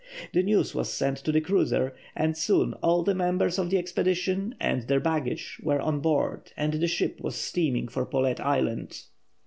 The news was sent to the cruiser, and soon all the members of the expedition and their baggage were on board and the ship was steaming for Paulet Island.